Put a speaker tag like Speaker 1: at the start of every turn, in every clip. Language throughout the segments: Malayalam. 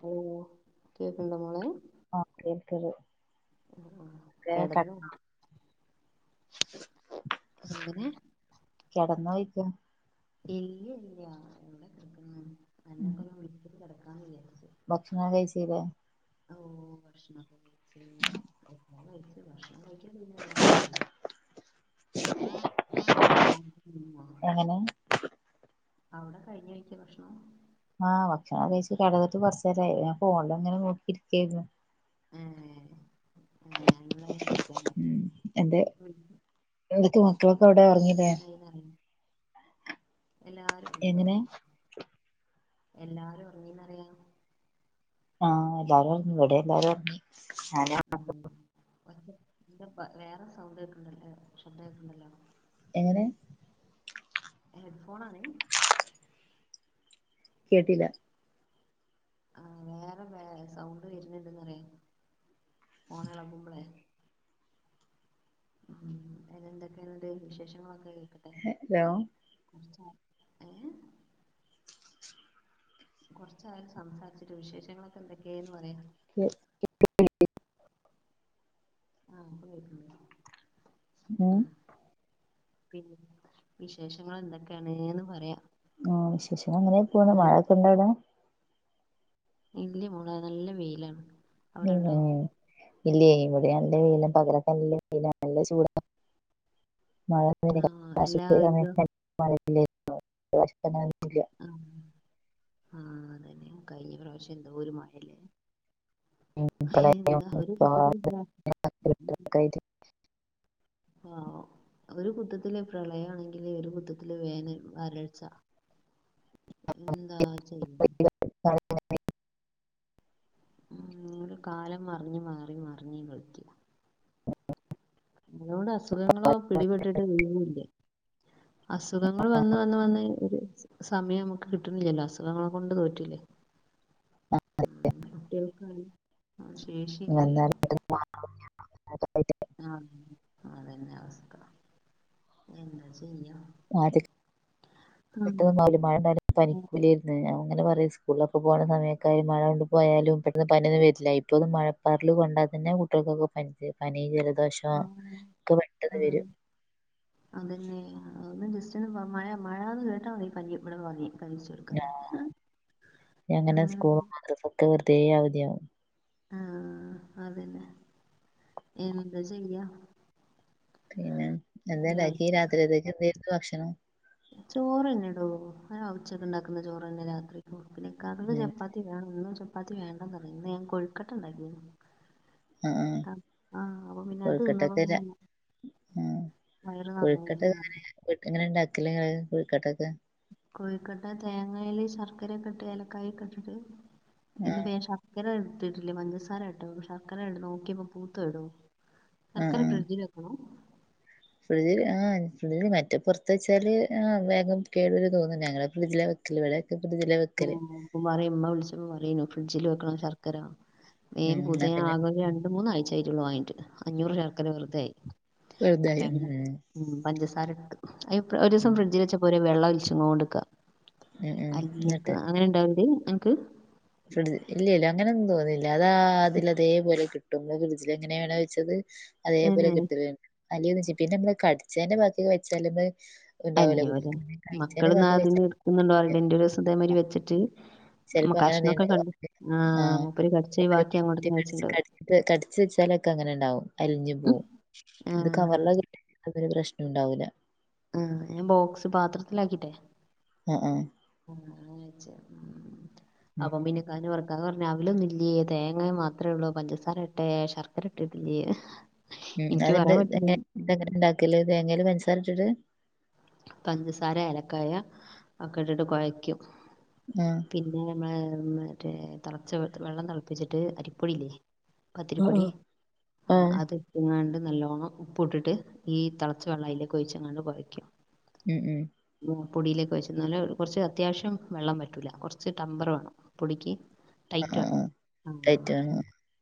Speaker 1: ഹലോ കേക്കണ്ടോ മോളോ
Speaker 2: [inaudible]
Speaker 1: ആ കിടന്നു എങ്ങനെ
Speaker 2: കിടന്നോയിക്ക
Speaker 1: ഇല്ല ഇല്ല എവിടെ കിടക്കണ് അനെ
Speaker 2: ഉം
Speaker 1: ഒന്ന് വിളിച്ചിട്ട്കിടക്കാൻ വിചാരിച്ചു
Speaker 2: ഭക്ഷണം കഴിച്ചില്ലേ
Speaker 1: ഓ ഭക്ഷണം ഒക്കെ കഴിച്ചു മോൻ ഭക്ഷണം കഴിക് അവിടെ കഴിഞ്ഞോ
Speaker 2: എങ്ങനെ
Speaker 1: അവിടെ കഴിഞ്ഞ അഴ് ചോ ഭക്ഷണം
Speaker 2: ആ ഭക്ഷണം കഴിച്ചു കിടന്നിട്ട് കുറച്ച് നേരയി ഞാൻ ഫോണിൽ ഇങ്ങനെ നോക്കി ഇരിക്കായിരുന്നു
Speaker 1: ഏ അങ്ങനെ അതിനുള്ള വിളിക്കാനായി
Speaker 2: ഉ എന്റെ എവടെക്കെമക്കൾ
Speaker 1: [unintelligible] എല്ലാരും ഉറങ്ങടോ
Speaker 2: എങ്ങനെ
Speaker 1: എല്ലാരും ഉറങ്ങീന്നറിയാം
Speaker 2: ആ എല്ലാരും ഉറങ്ങിഇവിടെ എല്ലാരും ഉറങ്ങി ഞാനു
Speaker 1: ഉം വേറെ സൗണ്ട് കേക്കണ്ടല്ലോ ശബ്ദം കേക്കണ്ടല്ലോ
Speaker 2: എങ്ങനെ
Speaker 1: ഹെഡ്ഫോൺ ആണ്
Speaker 2: കേട്ടില്ല
Speaker 1: ആ വേറെ വേ സൗണ്ട് വരുന്നുണ്ട്ന്ന്റയാാം ഫോൺ ഇളകുമ്പോളേ ഉം അ എന്തൊക്കെ ഉണ്ട് വിശേഷങ്ങൾ ഒക്കെ
Speaker 2: ഹ ഹലോ
Speaker 1: ഏഹ് കുറച്ച്ആയിസംസാരിച്ചിട്ട്വിശേഷങ്ങളൊക്കെ എന്തൊക്കെയാന്ന് പറയാ
Speaker 2: [unintelligible]
Speaker 1: ആ ഇപ്പോ കേക്ക്ണ്ട്
Speaker 2: ഉം
Speaker 1: പിന്നെ വിശേഷങ്ങൾ എന്തൊക്കെയാണ്ന്ന് പറയാ
Speaker 2: ആ വിശേഷങ്ങൾ ഇങ്ങനെ പോണ് മഴൊക്കെ ഇണ്ട അവിട
Speaker 1: ഇല്ലയ മോള നല്ല വെയിലാണ്
Speaker 2: ഹേ
Speaker 1: അവിടെണ്ടോ
Speaker 2: ഇല്ല ഇവിടെ നല്ല വെയിലും പകൽ ഒക്കെ നല്ല വെയില നല്ല ചൂട മഴശ [unintelligible]
Speaker 1: ആഹ് എല്ലാ ഇതും
Speaker 2: സമയത്ത് [unintelligible] മഴയെല്ലായിരുന്നു
Speaker 1: ആ ആ അതന്നെ കയ്ഞ്ഞ പ്രാവശ്യം എന്തോ ഒരുമാഴല്ലേ എന്താ ഒരു
Speaker 2: പെട്ടെന്ന്
Speaker 1: കുട്ടത്തിൽ [unintelligible] മൊത്തത്തിലെ പ്രളയമാണെങ്കില് ഒരു പുദ്ധത്തിലെ വേന വരൾച്ച എന്താ ചെയ്യ
Speaker 2: [unintelligible]
Speaker 1: ഉ ഒരു കാലം മറിഞ്ഞ് മാറി മറിഞ്ഞേ വിളിക്ക അതോട് അസുഖങ്ങളോ പിടിപെട്ടിട്ട് വീ്യുന്നില്ലേ അസുഖങ്ങൾ വന്ന വന്ന് വന്ന ഒരു സമയം നമുക്ക് കിട്ടു കിട്ടുന്നില്ലല്ലോ അസുഖങ്ങള കൊണ്ട് തോറ്റില്ലേ ശേഷി ഇല്ല്യല്ലോ അതന്നെ അവസ്ഥ എന്താ ചെയ്യാ
Speaker 2: വാചക്
Speaker 1: ആഹ്
Speaker 2: പെട്ടെന്ന് ഒന്നും ആവൂല മഴണ്ടായാലൊന്നും പനിക്കൂലേര്ന്ന് ഞാ അങ്ങനെ പറയും സ്കൂളിലക്കെ പോണ സമയക്കായി മഴ കൊണ്ട് പോയാലും പെട്ടെന്ന് പന്യൊന്നും വര്ല്ല ഇപ്പോന്നും മഴ പാറൽ കൊണ്ടാ തന്നെ കുട്യോൾക്കൊക്കെ പ പനി ജലദോ
Speaker 1: ആ അതെ അതന്നെ [unintelligible] ഇന്ന് പ്പൊ മഴ മഴാന്ന് കേട്ടാ മതി പനി ഇവ്ടെ പനി പനിച്ചട്‌ക്കാൻ ആ
Speaker 2: ഇത് വെറുതെ അവധിയാവും
Speaker 1: ആഹ് അതന്നെ എന്താ ചെയ്യാ
Speaker 2: പിന്നെ
Speaker 1: ഒരാ
Speaker 2: എന്തേണ്ടാക്കി രാത്രിയത്തേക്ക് എന്തരുന്നു ഭക്ഷണം
Speaker 1: ചോറ്ന്നെടോ ആ ഉച്ചക്ക്ണ്ടാക്കുന്ന ചോറന്നെ രാത്രിക്കും പിന്നെ ഇക്കാക്കക്ക്
Speaker 2: ഉം.
Speaker 1: ചപ്പാത്തി വേണം ഇന്ന് ചപ്പാത്തി വേണ്ടന്ന് പറഞ് ഇന്ന് ഞാൻ കോഴുക്കട്ട ഇണ്ടാക്കീണ് ആ ആഹ് അപ്പൊ പിന്നെ അത് തിന്ന [unintelligible]
Speaker 2: കൊഴ്ക്കട്ടങ്ങനെ വീട്ട് എങ്ങനെങ്ങള് ഉണ്ടാക്കല് കൊഴ്ക്കട്ടൊക്കെ
Speaker 1: കൊഴിക്കട്ട തേങ്ങയില് ശർക്കരക്കെട്ട് ഏലക്കായി ക്കെട്ടിട്ട്
Speaker 2: ആ
Speaker 1: ഇന്ന് പ്പ ഞാ ശർക്കര ഇട്ടിട്ടില്ലേ പഞ്ചസാര ഇട്ടോ ശർക്കര നോക്കിയപ്പോ പൂത്ത് പോയെടോ ശർക്കര ഫ്രീഡ്ജില് വെക്കണോ
Speaker 2: ഫ്രിഡ്ജിൽ ആ ഫ്രി്ജിൽ മറ്റേ പുറത്ത് വെച്ചാല് ആ വേഗം കേടു വരു തോന്ന്ണ്ട് ഞങ്ങള് ഫ്രിഡ്ജില വെക്കല് ഇവിടെ
Speaker 1: ഉം ഇപ്പ പറ്യേ ഇമ്മ വിളിച്ചപ്പോ പറ്യേനു ഫ്രിഡ്ജില് വെക്കണം ശർക്കര
Speaker 2: ഉം
Speaker 1: വേം
Speaker 2: എന്നാ
Speaker 1: പൂതോയി ഞാ
Speaker 2: പിന്നെ
Speaker 1: ആകെ ഒര് രണ്ടു മൂന്ന് ആഴ്ചായി ട്ടൊള്ളൂ വാങ്ങീട്ട് അഞ്ഞൂറ് ശർക്കര വെറുതായി അപ്പ
Speaker 2: വെറുതായി
Speaker 1: ഞാൻ
Speaker 2: ഉം ഉം
Speaker 1: പിന്നെ പഞ്ചസാര ഇട്ട് അയ് ഇപ്പൊ ഒരീസം
Speaker 2: ഉം
Speaker 1: ഫ്രിഡ്ജില് വെച്ചപ്പൊരു വെള്ളൊല്ച്ചുങ്ങോണ്ട് ക്ക
Speaker 2: ഉം ഉം എന്നിട്ട്
Speaker 1: ഉണ്ടാവലണ്ട് അൻക്ക്
Speaker 2: ഫ്രി ഇല്ല ഇല്ല അങ്ങനെന്നും തോന്നില്ല അതാ അതില അതേപോലെ കി ട്ടും ന്ന് ഫ്രിഡ്ജിലെങ്ങനേണോ വെച്ചത് അതേപോലെ കിട്ടല്ണ്ട് അലിയോന്ന് ച്ച പിന്നെ നമ്മള് കടിച്ചേന്റെ ബാക്കിയൊക്കെ വെച്ചാലത്
Speaker 1: അലിഞ്ഞോവും ലേ മക്കൾ
Speaker 2: ബാക്കി കഴിച്ചാ
Speaker 1: ഇന്നതിന്ന് ഇടുക്കുന്നുണ്ടോ അറീല ഇൻ്റൊരീസം ഇതേമാതിരി വെച്ചിട്ട് അവ്
Speaker 2: ചെലപ്പോ
Speaker 1: മെ
Speaker 2: അങ്ങനെ എന്തേലും
Speaker 1: കഷ്ണൊക്കെ
Speaker 2: ഉണ്ടാവും
Speaker 1: കണ്ട് ആ
Speaker 2: ആഹ്
Speaker 1: മൂപ്പര് കടിച്ചത്
Speaker 2: ഒരു
Speaker 1: വാക്കി അങ്ങോട്ടന്നെ വെച്ച് ണ്ടാവും
Speaker 2: ക്കെ അങ്ങനെണ്ടാവും അലിഞ്ഞു പോവും ഇത് കവർ
Speaker 1: ആഹ്
Speaker 2: [unintelligible] പ്രശ്നം ഉണ്ടാവൂില്ല
Speaker 1: ആ ഞാൻ ബോക്സ് പാത്രത്തിലാക്കിട്ടെ
Speaker 2: ആ ആ
Speaker 1: [inaudible] വെച്ച് ഉം
Speaker 2: ഉം
Speaker 1: അപ്പം പിന്നെക്കാ [unintelligible] പിന്നെ അവലൊന്നില്ലേ തേങ്ങ മാത്രേ ഉള്ളൂ പഞ്ചസാര ഇട്ടേ ശർക്കര ഇട്ടിട്ടില്ലേ
Speaker 2: ഉം
Speaker 1: എനിക്ക്
Speaker 2: അത്ണ്ട്
Speaker 1: പറയാൻ
Speaker 2: ഇതന്നെ
Speaker 1: പറ്റില്ലല്ലോ
Speaker 2: ഇതെങ്ങനെ ഇണ്ടാക്കല് തേങ്ങേല് പൻസാര ഇട്ട്ട്ട്
Speaker 1: പഞ്ചസാര ഏലക്കായ ഒക്കെ ഇട്ടിട്ട് കൊയക്കും
Speaker 2: ആ
Speaker 1: പിന്നെ നമ്മള് മറ്റേ തിളച്ച വെ വെള്ളം തിളപ്പിച്ചിട്ട് അരിപ്പൊടില്ലേ പത്തിരിപ്പൊടി ആ അത്ട്ട്ങ്ങാണ്ട് നല്ലോണം ഉപ്പ് ഇട്ടിട്ട് ഈ തിളച്ച വെള്ളം അയ്ലേക്കെ ഒയ്ച്ച്ങ്ങാണ്ട് കൊയയ്ക്ക
Speaker 2: ഉം ഉം
Speaker 1: പൊടിയിലേക്ക് ഒയ്ച്ച് ഇന്നാല് കുറച്ച് അത്യാവശ്യം വെള്ളം പറ്റൂല കുറച്ച് ടമ്പർ വേണം പൊടിക്ക്
Speaker 2: ആ
Speaker 1: ടൈറ്റ്
Speaker 2: ആ
Speaker 1: വേണം
Speaker 2: ആ
Speaker 1: ആ
Speaker 2: ടൈറ്റ് ആണ്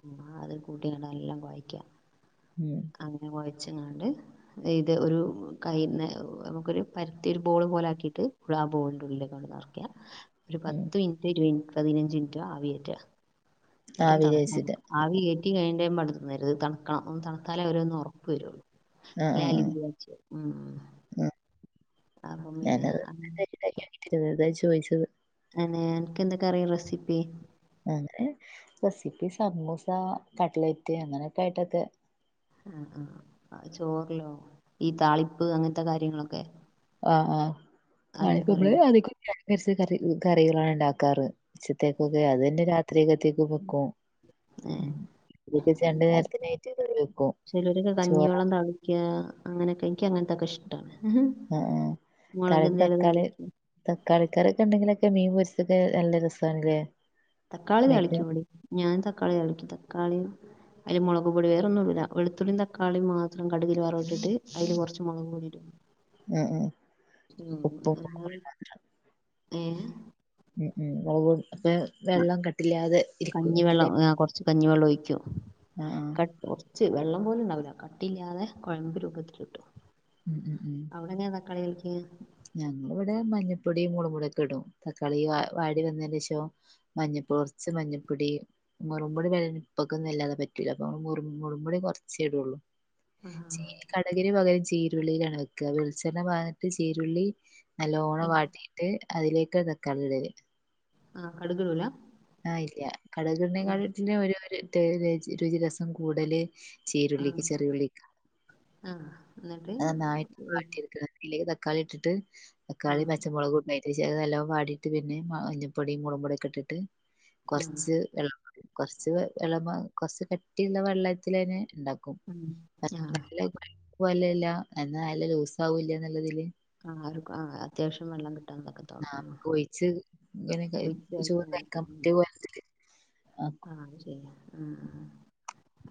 Speaker 1: ആ അത് കൂട്ടി ആണ്ട് നല്ലം കൊയക്ക
Speaker 2: ഉം
Speaker 1: അങ്ങനെ കൊയ ച്ച്ങ്ങാണ്ട് ഇത് ഒരു കൈ നെ ക്കൊരു പരത്തി ഒരു ബോള് പോലെ ആക്കിട്ട് ആ ബോളിന്റെ ഉള്ളിലേക്കങ്ങട്ട് നറക്ക ഒരു
Speaker 2: ഉം
Speaker 1: പത്ത് മിനിറ്റ് ഇരുവത് പതിനഞ്ച് മിനിറ്റ് ആവി കേറ്റ എന്നിട്ടും
Speaker 2: ആവിയിൽ
Speaker 1: തണുക്കണം
Speaker 2: വേവിച്ചിട്ട്
Speaker 1: ആവി കേറ്റി കഴി ണേയൻ്റെ മുമ്പ് അണ്ട് തിന്നരുത് തണക്കണം തണുത്താലേ ഒര് ഒന്നൊറപ്പ് വരൊള്ളൂ
Speaker 2: ആ ആ
Speaker 1: ലാലി
Speaker 2: ആ
Speaker 1: വ്യേച്ച് ഉം
Speaker 2: ആ
Speaker 1: അപ്പം പിന്നെ
Speaker 2: ഞാനത് വെറുത ചോദിച്ചത്
Speaker 1: അനെ എനക്ക് എന്തൊക്കെ അറിയാം റെസിപ്പി
Speaker 2: അ റെസിപ്പി സമൂസ, കട്ലൈറ്റ് അങ്ങനൊക്കായിട്ടൊക്കെ
Speaker 1: ആ ആ ചോറ്ലോ ഈ താളിപ്പ് അങ്ങൻത്തെ കാര്യങ്ങളൊക്കെ
Speaker 2: ആ ആ താളിപ്പ്
Speaker 1: അതെന്തൊക്കെ
Speaker 2: മ്മളെ
Speaker 1: അറിയോ
Speaker 2: [unintelligible] അരച്ച കറി കറികളാണ്ണ്ടാക്ക കാറ് ഉച്ചത്തേകൊക്കെ അതന്നെ രാത്രിക്കത്തേകൊക്കെ വെക്കും
Speaker 1: ഏ
Speaker 2: ഉം രണ്ട് നേരത്തിനായ്റ്റ് കറി വെക്കും ചോറാ
Speaker 1: അങ്ങനൊക്കെ ഇൻക്ക് അങ്ങനൊക്കെഷ്ടാണ്
Speaker 2: ആഹ് ആഹ്
Speaker 1: മൊളകെന്തേലൊ താളി
Speaker 2: കളിക്കറിക്കെ ഇണ്ടെങ്കിലൊക്കെ മീൻ പൊരിച്ചക്കെ നല്ല രസാണ്ലെ
Speaker 1: തക്കാളി താളിക്കേടി ഞാൻ തക്കാളി താളിക്കും തക്കാളിം അയില് മൊളകും പൊടി വേറൊന്നുടൂല. വെള്ത്തുള്ളി തക്കാളിം മാത്രം കട്കില് വേറൊത്ട്ട് അയില് കൊറച്ച് മൊളകും പൊടി ഇട
Speaker 2: ഉം ഉം ഉപ്പു
Speaker 1: അല്ലാതെ
Speaker 2: ഉം ഉം മൊളകൊടി
Speaker 1: അഹ്
Speaker 2: കട്ടില്ലാ
Speaker 1: കഞ്ഞിവെള്ളം ആ കൊറച്ച് കഞ്ഞിവെള്ളൊഴിക്ക
Speaker 2: ആഹ് ആഹ്
Speaker 1: കട്ട് കൊറച്ച് വെള്ളം പോലും ഇണ്ടാവില്ല കട്ടില്ലാതെ കൊഴമ്പ് രൂപത്തില്ട്ടു
Speaker 2: ഉം ഉം ഉം ഞങ്ങള്വ്ടെ മഞ്ഞപ്പൊടീം മൊളക്പൊടിക്കെ ഇടും തക്കാളീ വാടി വന്നീന്റേഷം മഞ്ഞപ്പ കൊറച്ച് മഞ്ഞപ്പൊടി മൊറൊപൊടി വെ ഇപ്പക്കൊന്നും ഇല്ലാതെ പറ്റൂല അ മൊറ കുറച്ചെടൊള്ളു. ചീ കട്കിന് പകരം ചീ ചീരുള്ളീലാണ് വെക്ക വെളിച്ചെണ്ണ പാന്ന്ട്ട് ചീരുള്ളി നല്ലോണം
Speaker 1: ഉം
Speaker 2: വാട്ടീട്ട് അതിലേക്ക തക്കാളിടല്
Speaker 1: ആ കടക് ഇടൂല
Speaker 2: ല്ല കടഗ്ടീണെകാ ഒര് രുചി രസം കൂടല്
Speaker 1: ആ
Speaker 2: ചീരുള്ളിക്ക് ചെറിയുള്ളീക
Speaker 1: ആ എന്നിട്ട്
Speaker 2: അത് നന്നായിട്ട് വാട്ടിട്ക ഇല്ലെങ്കി ത ക്കാളി ഇട്ടിട്ട്
Speaker 1: ആ ആ
Speaker 2: തക്കാളി പച്ചമൊളകു ഇടണയ് തിരിചെ അത് നല്ലൊം വാടീട്ട് പിന്നെ മഞ്ഞപ്പൊടിം മൊളകും പൊടിക്കെ ഇട്ടിട്ട് കൊറച്ച് വെള്ളം കൊറച്ച് വെള്ളപാർന്ന് കൊറച്ച് കട്ടിള്ള വെള്ളത്തിലെന്നെ ണ്ടാക്കും
Speaker 1: ഉം ആ
Speaker 2: [unintelligible] എന്നാ നല്ല ലൂസാവൂല്ല ന്നല്ലതില്
Speaker 1: ആ ആ അത്യാവശ്യം വള്ളം കിട്ടാ ന്നക്ക തോളം
Speaker 2: ഇങ്ങനൊകെ ചോറ് കഴിക്കാൻ പറ്റ്യ [unintelligible]
Speaker 1: ആ ശരി ഉം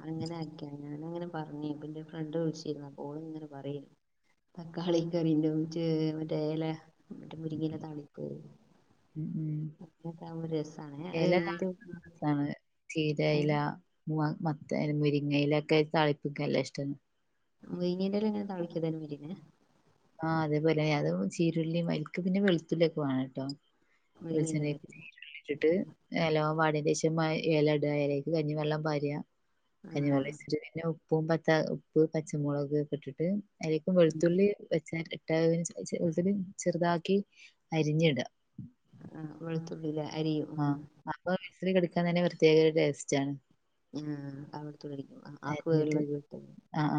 Speaker 1: അങ്ങനെ ആക്ക്യ ഞാനുങ്ങനെ പറഞ്ഞി പ്പെന്റെ ഫ്രണ്ട് വിള്ച്ചിരുന്നു ഇപ്പോള്ങ്ങനെ പറെർന്നു തക്കാളി കറി മറ്റേ എല മറ്റെ മുരിങ്ങല താളിക്കാർന്നു അങ്ങനക്കാവുമ്പൊ രസാണ് അത് എന്ത് ഏ
Speaker 2: ചീരയില മുവ മത്ത മുരിങ്ങയിലൊക്കെ താളിപ്പിക്കല്ല ഷ്ടാണ്
Speaker 1: വൈനീന്റെല എങ്ങനെ താളിക്കതേനു വിരിഞെ
Speaker 2: ആ അതെപോലെ അത് ചീരുള്ളി അയ്ൽക്ക് പിന്നെ വെള്തുള്ളിക്കെ വേണട്ടോ
Speaker 1: മുരിങ്ങേന്റെല
Speaker 2: വെളിച്ചെണ്ണീക്ക് ചീരുള്ളിട്ട്ട്ട്. എലോ വാടി ദേശം ഏലട എലീക്ക് കഞ്ഞിവെള്ളം പാര
Speaker 1: ആ
Speaker 2: കഞ്ഞിവെള്ളയ്ചിട്ട് പിന്ന ഉപ് ഉപ്പും പത്ത ഉപ്പ് പച്ചമൊളകൊക്കെ ഇട്ട്ട്ട് അതീക്കും
Speaker 1: ഉം.
Speaker 2: വെള്ത്തുള്ളീ [unintelligible] ഇട്ട ചെറ്താക്കി അരിഞ്ഞിട
Speaker 1: ആ വെള്ത്തുള്ളിലെ
Speaker 2: ആ അപ്പൊ മിക്സി കടിക്കാൻ തന്നെ പ്രത്യേക ടേസ്റ്റാണ്
Speaker 1: ആ.... അവിടുതുടടിക്കും ആ [unintelligible]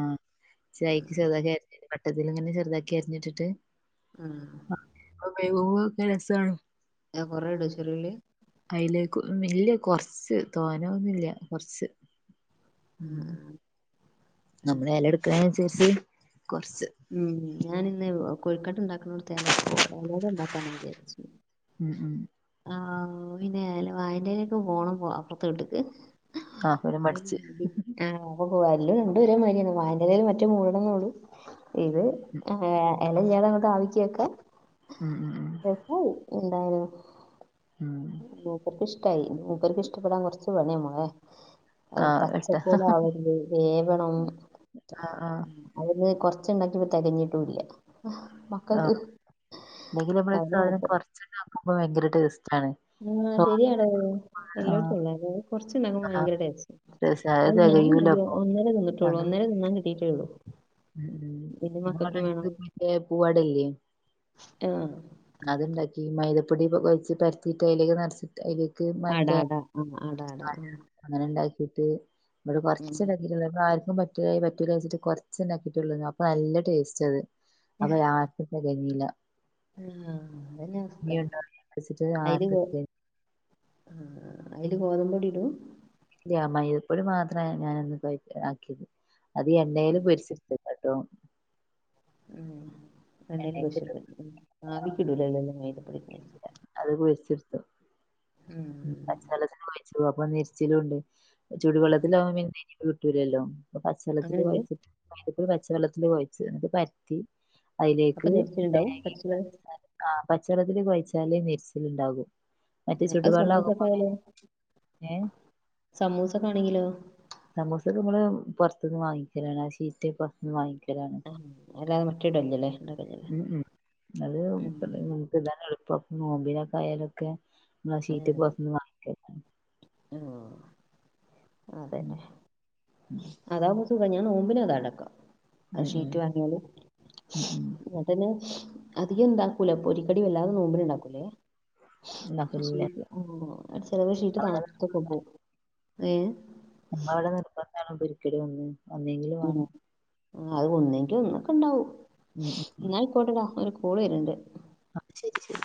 Speaker 2: ചായെക്ക് ചെറുതാക്കി അരിഞ്ഞിട പട്ടത്തില് ങ്ങനെ ചെറ്താക്കി അരിഞ്ഞ്ട്ട്ട്ട്
Speaker 1: ആ
Speaker 2: കെരസാണ്
Speaker 1: ഞാൻ കൊറേടൊ ചെറുള്ളി
Speaker 2: അയിലേക് ഉം ഇല്ല കൊറച്ച് തോനൊന്നുല്ല കൊറച്ച് ഉം
Speaker 1: ആഹ്
Speaker 2: നമ്മളെ
Speaker 1: ആഹ്
Speaker 2: എലയെടുക്കാനെന് അനുസരിച്ച്-
Speaker 1: ഉം ഞാനിന്ന് കൊഴ്ക്കട്ട ഇണ്ടാക്കണോർത്ത് എല എലട ഇണ്ടാക്കാന്ന വിജാരിച്ചേ
Speaker 2: ഉം ഉം
Speaker 1: ആഹ് പിന്നെ വായന്റെലൊക്കെ പോണം പോ അപ്പുറത്തെ വീട്ടിക്ക്
Speaker 2: നാത്തൂനും പഠിച്ച്.
Speaker 1: [unintelligible] അ ആഹ ഓഹ് അല്ലും രണ്ടണ്ട് ഒരെ മാതിരിയാണ് വായന്റ് എലലേലും മറ്റും മൂടണംന്നെ ഉള്ളു ഇത് ഹെ എലല്ലാതെ നമക്ക് ആവിക്ക് വെക്കാം
Speaker 2: ഉം ഉം
Speaker 1: രസായി എന്തായാലും.
Speaker 2: ഉം ഉം.
Speaker 1: മൂപ്പർക്ക് ഇഷ്ടായി മൂപ്പർക്ക് ഇഷ്ടപ്പെടാൻ കൊറച്ച് പണിയ മേളേ. അവു
Speaker 2: ആഹ് എട്ട
Speaker 1: പച്ചപോലെ ആവര്ത് വേവണം.
Speaker 2: ആഹ് ആഹ്.
Speaker 1: ഉം അവ്ട്ന്ന് കൊറ് ച്ച്ണ്ടാക്കിയപ്പോ തെകഞ്ഞിട്ടൂല്ലാ
Speaker 2: ആഹ് അല്ലെങ്കിലും നമ്മള്
Speaker 1: അത്
Speaker 2: സാധനം
Speaker 1: മാത്രം
Speaker 2: കൊറ്ച്ച്ണ്ടാക്കുമ്പോ ഭയങ്കര ടേസ്റ്റാണ്
Speaker 1: ആഹ്
Speaker 2: തോനെ
Speaker 1: ശരിയാടോത്
Speaker 2: ആഹ്
Speaker 1: എല്ലോടത്തുള്ളാല്ലേ അഹ് കൊറച്ച്ണ്ടാകുമ്പോ
Speaker 2: ആഹ്
Speaker 1: ഭയങ്കര ടേസ്റ്റ്
Speaker 2: ടേസ്റ്റാ അത്
Speaker 1: അഹ് ഞാനും [unintelligible]
Speaker 2: തെകയൂലപ്പൊ.
Speaker 1: ഒന്നര തിന്ന്ട്ടോള്ളൂ
Speaker 2: ഞങ്ങള്
Speaker 1: ഒന്നരെ തിന്നാൻ കിട്ടിയിട്ടേള്ളൂ.
Speaker 2: ഉം ഉം ഞാൻ ഇവടെ എട്ക്ക് മറ്റെ പൂവടല്ലേ
Speaker 1: ആഹ്
Speaker 2: ഈ മൈദപ്പൊടിക്കെ കൊയച്ച്ട്ട് പരത്തീട്ട് അയിലേക്ക് നെറച്ചിട്ട് അയിലേക്ക്
Speaker 1: അട
Speaker 2: മറ്റെ
Speaker 1: അട ആ അട അട ആഹ്
Speaker 2: ട്ട്ട്ട് ഇവടെ കൊറ്ച്ചെ ഇണ്ടാക്കീട്ടോള്ളു ഇവടാര് ക്കും പറ്റൂലായ് പറ്റൂലാച്ചിട്ട് കൊറ്ച്ചെ ഇണ്ടാക്കിയിട്ടോള്ളനി അപ്പൊ നല്ല ടേസ്റ്റത് അപ്പൊയാര്ക്കും തെകഞ്ഞില്ലാ
Speaker 1: ആഹ് അതന്നെ അവസ്ഥ
Speaker 2: ഉണ്ടാവില്ല വെച്ചിട്ട്
Speaker 1: അയല്
Speaker 2: ആർക്കും
Speaker 1: ഗോ ആഹ് അയ്ല് ഗോതമ്പൊടിടും
Speaker 2: ഇല്ല്യാ മൈദ പൊടി മാത്ര ഞാ ഞാനന്ന് കൊയച്ചാക്കിയത് അത് എണ്ണേല് പൊരിച്ചെട്ത്ത് [unintelligible]
Speaker 1: ഉം എണ്ണേല് പൊരിച്ച്ട്ത്ത് ഉം ആവിക്കിടൂല എല്ലേല്ലും മൈദ പൊടി [unintelligible]
Speaker 2: അത് പൊരിച്ച്ട്ത്തു ഉം പച്ചവെള്ച്ചെണ്ണ വാങ്ങിച്ച്ക്ക്ണു അപ്പോ നെര്ച്ചിലുണ്ട്
Speaker 1: ആ
Speaker 2: ചുടുവെള്ളത്തിലാവുമ്പം [unintelligible] കിട്ടൂലല്ലോ അപ്പോ പച്ചളത്തില്
Speaker 1: അങ്ങനെണ്ട്
Speaker 2: കൊഴച്ചിട്ട് [unintelligible] ത് പച്ചവെള്ളത്തില് കൊഴച്ച് ന്ന്ട്ട് പരത്തി
Speaker 1: അപ്പൊ
Speaker 2: അയിലേക്ക്
Speaker 1: നെരിച്ചിലുണ്ടാവും
Speaker 2: തേങ്ങീം
Speaker 1: കൊറച്ചുള്ളത്
Speaker 2: പഞ്ചസാരീം കാ പച്ചള്ളത്തില് കൊഴച്ചാലേ നെര്ച്ചില്ണ്ടാകു മറ്റേ
Speaker 1: അത്
Speaker 2: ചുടുവെള്ളം ആകുമ്പോ
Speaker 1: സമൂസക്കായാലോ
Speaker 2: പിന്നെ
Speaker 1: സമൂസക്കാണെങ്കിലോ
Speaker 2: സമോസക്കെ ഞമ്മള് പൊറ്ത്ത്ന്ന് വാങ്ങിക്കലാണ് ആ സീറ്റ്പ്പം [unintelligible] വാങ്ങി ക്കലാണ്
Speaker 1: ആ അല്ലാതെ മറ്റേടല്ലല്ലേ ഉണ്ടാക്കല്ലേ
Speaker 2: ഉം ഉം അത്
Speaker 1: ഉം
Speaker 2: [unintelligible] കെക്കാനും എള് പ്പം നോമ്പിനൊക്കായലൊക്കെ ന്നാ ഷീറ്റ് പൊറ്ത്ത്ന് വാങ്ങിക്കലാ
Speaker 1: ആഹ് അതെ
Speaker 2: ഉം ഉം
Speaker 1: അതാക്കുംമ്പോ സുഖാ ഞ ഞ നോമ്പിന് അതാണ്ടാക്ക ആ
Speaker 2: ഉം ഉം
Speaker 1: ഷീറ്റ് വാങ്ങ്യാല്
Speaker 2: ഉം ഉം
Speaker 1: അതെന്നെ അധികണ്ടാക്കൂല പെരിക്കടി വല്ലാതെ നോമ്പ്ന്ണ്ടാക്കൂലേ
Speaker 2: ഉണ്ടാക്കലില്ലേ
Speaker 1: ഷീറ്റ് ആഹ് അ ചെലപ്പൊ ഷീറ്റ്
Speaker 2: അവിടെ
Speaker 1: തണത്തൊക്കെ പോവും. ഏഹ്
Speaker 2: അപ്പവടെ നിർബന്ധാണോ പൊരിക്കടി ഒന്ന് ഒന്നെങ്കിലും വാണം.
Speaker 1: ആഹ് അത് ഒന്നെങ്കി ഒന്നൊക്കെണ്ടാവും.
Speaker 2: ഉം ഉം
Speaker 1: ന്നാ അയ്ക്കോട്ടടാ ഒര് കൊള് വെര്ന്ണ്ട്.
Speaker 2: ആഹ് ശെരി ശെരി.